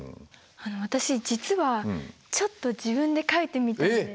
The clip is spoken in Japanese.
私実はちょっと自分で書いてみたんです。